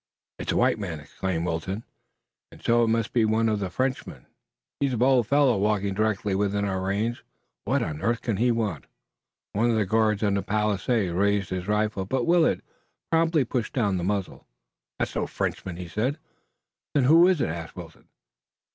"It's a white man," exclaimed Wilton, "and so it must be one of the Frenchmen. He's a bold fellow walking directly within our range. What on earth can he want?" One of the guards on the palisade raised his rifle, but Willet promptly pushed down the muzzle. "That's no Frenchman," he said. "Then who is it?" asked Wilton.